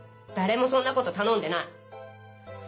誰もそんなこと頼んでない。